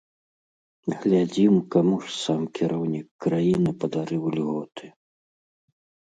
Глядзім, каму ж сам кіраўнік краіны падарыў льготы.